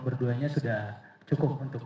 berduanya sudah cukup untuk